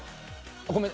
ごめん。